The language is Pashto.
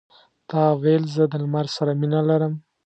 تا ویل زه د لمر سره مینه لرم.